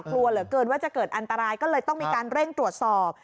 กลัวเหลือเกินว่าจะเกิดอันตรายก็เลยต้องมีการเร่งตรวจสอบ